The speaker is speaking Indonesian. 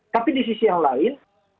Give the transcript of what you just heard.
tapi di sisi yang lain